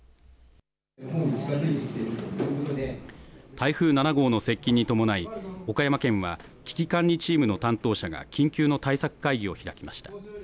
台風７号の接近に伴い、岡山県は危機管理チームの担当者が緊急の対策会議を開きました。